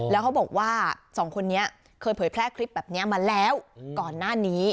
แล้วเขาบอกว่าสองคนนี้เคยเผยแพร่คลิปแบบนี้มาแล้วก่อนหน้านี้